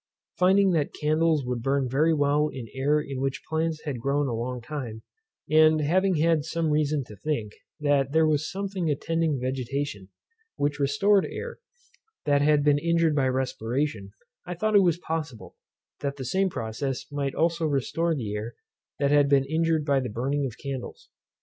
Finding that candles would burn very well in air in which plants had grown a long time, and having had some reason to think, that there was something attending vegetation, which restored air that had been injured by respiration, I thought it was possible that the same process might also restore the air that had been injured by the burning of candles.